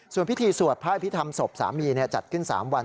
ส่วนพิธีสวดพระอภิษฐรรมศพสามีจัดขึ้น๓วัน